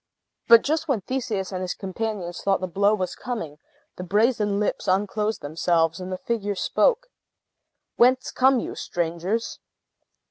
But just when Theseus and his companions thought the blow was coming, the brazen lips unclosed themselves, and the figure spoke. "Whence come you, strangers?"